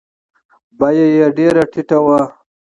بویه یې ډېره ټیټه وه.